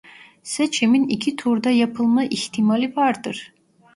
Seçimin iki turda yapılma ihtimali vardır.